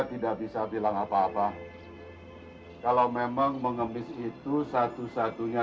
sampai jumpa di video selanjutnya